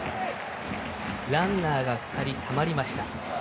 ランナーが２人たまりました。